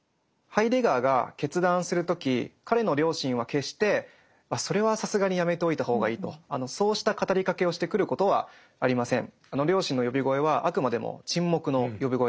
ハイデガーが決断する時彼の良心は決して「それはさすがにやめておいた方がいい」とそうした語りかけをしてくることはありません。